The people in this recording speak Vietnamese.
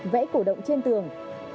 vẽ cổ động trên tường